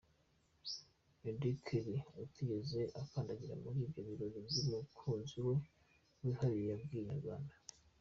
Auddy Kelly utigeze akandagira muri ibyo birori by’umukunzi we wihariye, yabwiye inyarwanda.